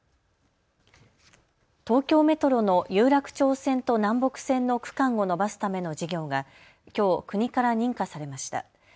東京メトロの有楽町線と南北線の区間を延ばすための事業がきょう国から認可されました。